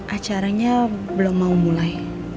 acaranya belum mau mulai